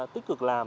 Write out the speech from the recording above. tích cực làm